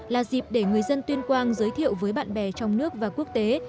là dịp để người dân tuyên quang giới thiệu với bạn bè trong nước và quốc tế